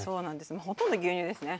もうほとんど牛乳ですね。